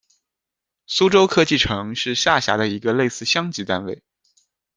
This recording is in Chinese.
苏州科技城是下辖的一个类似乡级单位。